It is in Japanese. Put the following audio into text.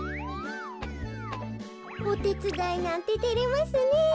おてつだいなんててれますねえ。